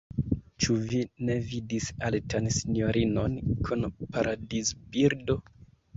Ĉu vi ne vidis altan sinjorinon kun paradizbirdo?